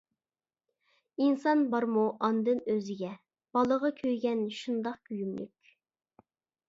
ئىنسان بارمۇ ئانىدىن ئۆزىگە، بالىغا كۆيگەن شۇنداق كۆيۈملۈك.